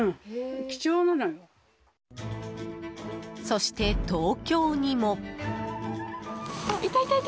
そして、東京にも。